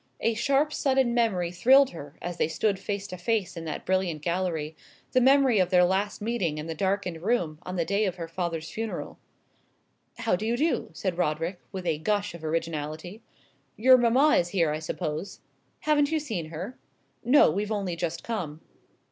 A sharp sudden memory thrilled her, as they stood face to face in that brilliant gallery the memory of their last meeting in the darkened room on the day of her father's funeral. "How do you do?" said Roderick, with a gush of originality. "Your mamma is here, I suppose." "Haven't you seen her?" "No; we've only just come."